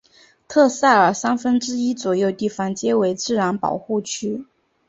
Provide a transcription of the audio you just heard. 特塞尔三分之一左右地方皆为自然保护区。